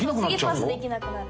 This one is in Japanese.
次パスできなくなる。